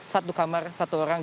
satu kamar satu orang